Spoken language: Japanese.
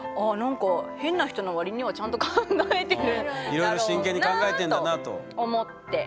いろいろ真剣に考えてんだなと。と思って。